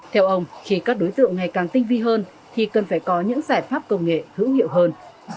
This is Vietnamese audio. theo ông khi các đối tượng ngày càng tinh vi hơn thì cần phải có những giải pháp công nghệ hữu hiệu hơn